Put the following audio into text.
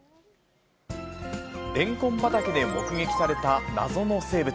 れんこん畑で目撃された謎の生物。